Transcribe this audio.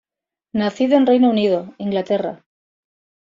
Nacido en Reino Unido, Inglaterra.